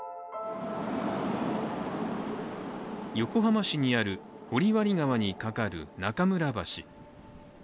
横浜市にある堀割川にかかる中村橋。